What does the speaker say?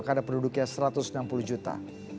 karena penduduknya satu ratus enam puluh juta